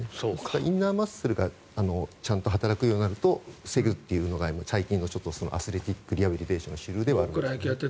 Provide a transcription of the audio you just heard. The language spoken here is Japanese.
インナーマッスルがちゃんと働くようになると防ぐというのが最近のアスレティックリハビリテーションではある。